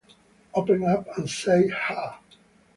Open Up and Say... Ahh!